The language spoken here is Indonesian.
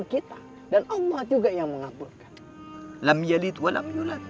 kita dan allah juga yang mengabulkan